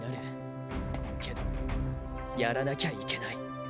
けどやらなきゃいけない。